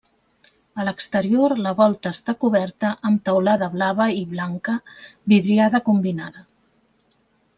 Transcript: A l'exterior la volta està coberta amb teulada blava i blanca vidriada combinada.